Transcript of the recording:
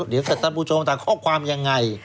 เดี๋ยวท่านผู้ชมต่างข้อความยังไง